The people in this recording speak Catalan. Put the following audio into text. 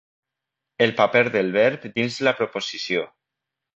El paper del verb dins la proposició.